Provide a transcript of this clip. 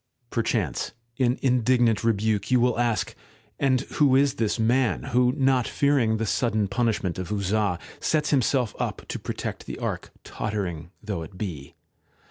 Perchance in indignant rebuke you will ask : 'And who is this man who, not fearing the sudden punishment of Uzzah, sets himself up to protect the Ark, tottering though it be